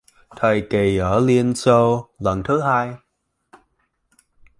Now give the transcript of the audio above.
Thời kỳ ở Liên Xô lần thứ hai